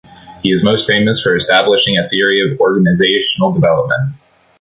He is most famous for establishing a theory of organizational development.